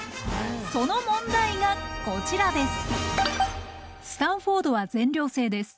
その問題がこちらです。